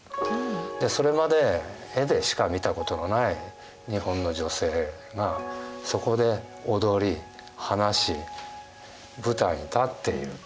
でそれまで絵でしか見たことのない日本の女性がそこで踊り話し舞台に立っている。